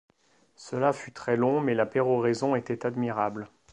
Cela fut très long, mais la péroraison était admirable.